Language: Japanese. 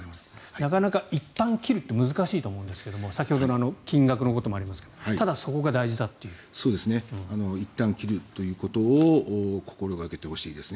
なかなかいったん切るって難しいと思うんですけど先ほどの金額のこともありますがいったん切るということを心掛けてほしいですね。